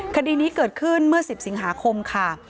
คดีนี้เกิดขึ้นเมื่อ๑๐สิงหาคมค่ะ